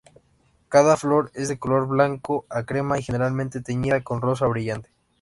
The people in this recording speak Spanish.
Cada flor es de color blanco a crema y generalmente teñida con rosa brillante.